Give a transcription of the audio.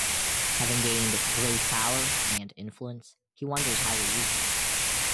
Having gained great power and influence, he wonders how to use them.